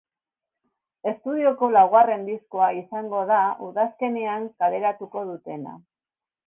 Estudioko laugarren diskoa izango da udazkenean kaleratuko dutena.